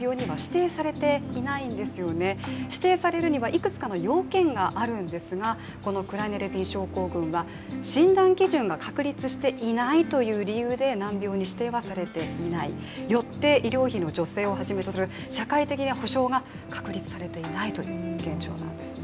指定されるにはいくつかの要件があるんですけれどもこのクライネ・レビン症候群は診断基準が確立していないという理由で難病に指定はされていない、よって医療費の助成をはじめとする社会的保障がされていないということですね。